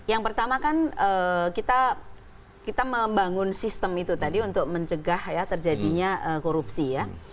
yang pertama kan kita membangun sistem itu tadi untuk mencegah ya terjadinya korupsi ya